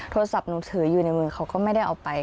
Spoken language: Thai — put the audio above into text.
โทรศัพท์หนูถืออยู่ในมือเขาก็ไม่ได้เอาไป